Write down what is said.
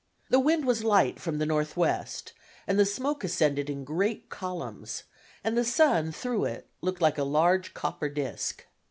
The wind was light from the northwest, and the smoke ascended in great columns, and the sun through it looked like a large copper disk.